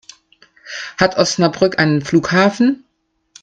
Hat Osnabrück einen Flughafen?